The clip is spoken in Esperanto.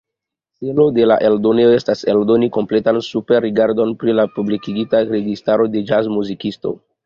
Celo de la eldonejo estas, eldoni kompletan superrigardon pri la publikigitaj registraĵoj de ĵazmuzikisto.